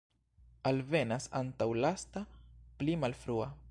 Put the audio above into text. Alvenas antaulasta, pli malfrua.